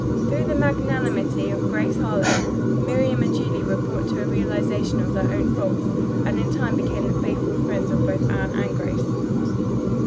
Through the magnanimity of Grace Harlowe, Miriam and Julia were brought to a realization of their own faults, and in time became the faithful friends of both Anne and Grace.